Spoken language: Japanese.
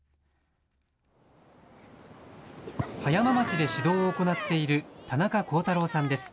葉山町で指導を行っている田中幸太郎さんです。